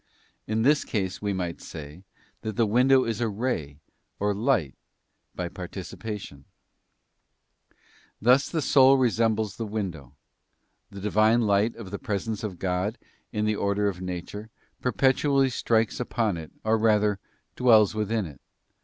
In this case we might say that the window isa ray or light by participation. Thus the soul resembles the window; the divine light of the presence of God in the order of nature, perpetually *$. John iii. 5. PARTICIPATION IN THE DIVINE NATURE. 69 strikes upon it, or rather dwells within it.